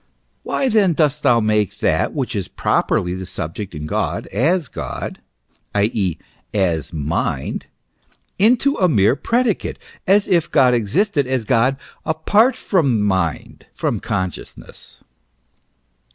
Why then dost thou make that which is properly the subject in God as God, i. e., as mind, into a mere predicate, as if God existed as God apart from mind, from consciousness